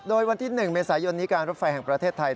โดยวันที่๑เมษายนนี้การรถไฟแห่งประเทศไทย